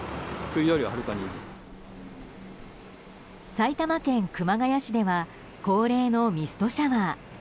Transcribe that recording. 埼玉県熊谷市では恒例のミストシャワー。